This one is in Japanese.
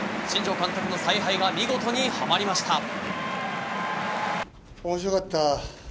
新庄監督の采配が見事に、はまりました。